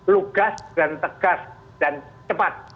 lugas dan tegas dan cepat